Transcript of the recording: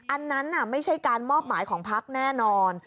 อันนั้นไม่ใช่การมอบหมายของพักแน่นอน